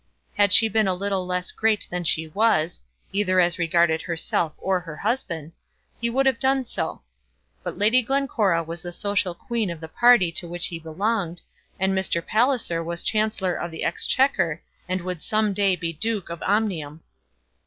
Had she been a little less great than she was, either as regarded herself or her husband, he would have done so. But Lady Glencora was the social queen of the party to which he belonged, and Mr. Palliser was Chancellor of the Exchequer, and would some day be Duke of Omnium.